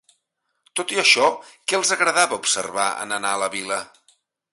Tot i això, què els agradava observar en anar a la vila?